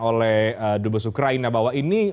oleh dubes ukraina bahwa